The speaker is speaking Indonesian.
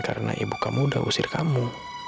karena ibu kamu udah usir kamu